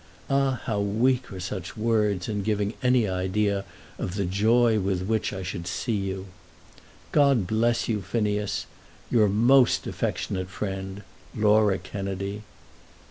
Ah, how weak are such words in giving any idea of the joy with which I should see you! God bless you, Phineas. Your most affectionate friend, LAURA KENNEDY.